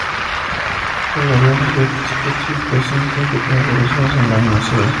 Las variables Delta Scuti presentan pequeñas variaciones en su luminosidad.